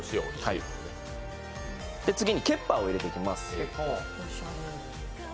次にケッパーを入れていきます。